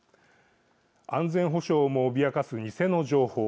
安全保障をも脅かす偽の情報。